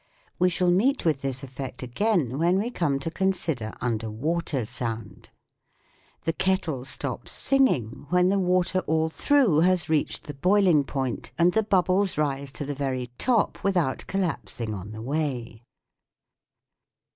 We shall meet with this effect again when we come to consider under water sound. The kettle stops singing when the water all through has reached the boiling point and the bubbles rise to the very top without collapsing on the way.